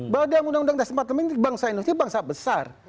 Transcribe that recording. bahwa dalam undang undang dasar empat puluh ini bangsa indonesia bangsa besar